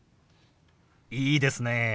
いいですね。